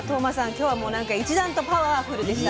今日は一段とパワフルでした。